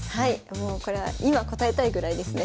もうこれは今答えたいぐらいですね。